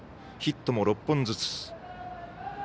ヒットも６本ずつ。